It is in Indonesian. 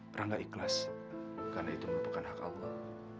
perangga ikhlas karena itu merupakan hak allah